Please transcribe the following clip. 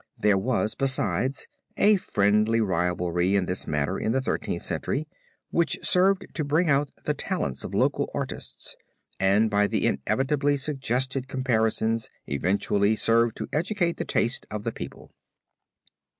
There was besides a friendly rivalry in this matter in the Thirteenth Century, which served to bring out the talents of local artists and by the inevitably suggested comparisons eventually served to educate the taste of the people.